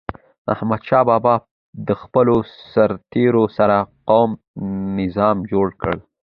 احمدشاه بابا د خپلو سرتېرو سره قوي نظام جوړ کړ.